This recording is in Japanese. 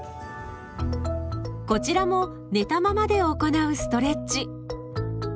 こちらも寝たままで行うストレッチ。